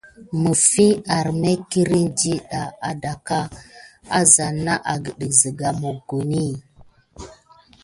Məlikia tirime kine ɗiya adako sivoh akan tisic asane mokoni.